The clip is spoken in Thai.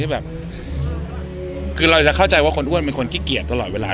คือคือเราจะเข้าใจว่าคนอ้วนคลิกเกียจตลอดเวลา